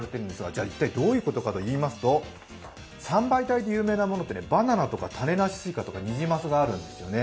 じゃ、一体どういうことかといいますと、三倍体でおいしいものって、バナナとかスイカとかニジマスがあるんですよね。